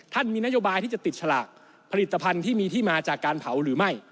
มีนโยบายที่จะติดฉลากผลิตภัณฑ์ที่มีที่มาจากการเผาหรือไม่